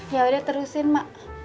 ya udah terusin mak